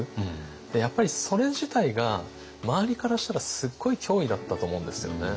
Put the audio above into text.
でやっぱりそれ自体が周りからしたらすっごい脅威だったと思うんですよね。